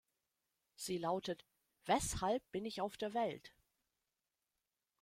Sie lautet: "Weshalb bin ich auf der Welt?